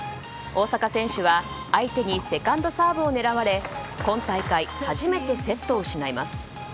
大坂選手は相手にセカンドサーブを狙われ今大会初めてセットを失います。